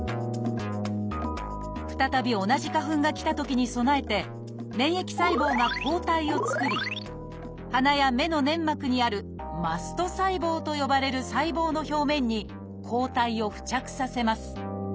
再び同じ花粉が来たときに備えて免疫細胞が抗体を作り鼻や目の粘膜にある「マスト細胞」と呼ばれる細胞の表面に抗体を付着させます。